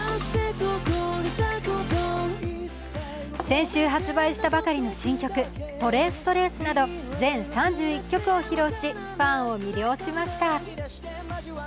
先週発売したばかりの新曲「ＴｒａｃｅＴｒａｃｅ」など全３１曲を披露しファンを魅了しました。